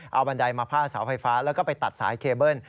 เอาบันไดมาผ้าเสาไฟฟ้าแล้วก็ไปตัดสายเคเบิ้ล